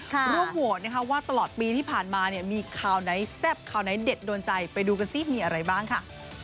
ร่วมโหวตนะคะว่าตลอดปีที่ผ่านมาเนี่ยมีข่าวไหนแซ่บข่าวไหนเด็ดโดนใจไปดูกันสิมีอะไรบ้างค่ะ